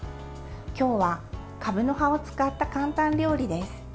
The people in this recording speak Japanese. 今日は、かぶの葉を使った簡単料理です。